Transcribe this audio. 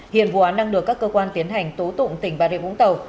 hiện vụ án đang được các cơ quan tiến hành tố tụng tỉnh và địa phương tàu